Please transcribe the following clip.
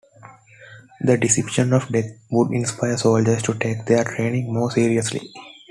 The depiction of death would inspire soldiers to take their training more seriously.